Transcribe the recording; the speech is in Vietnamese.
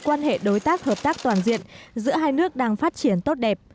quan hệ đối tác hợp tác toàn diện giữa hai nước đang phát triển tốt đẹp